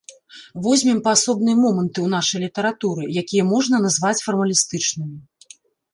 Возьмем паасобныя моманты ў нашай літаратуры, якія можна назваць фармалістычнымі.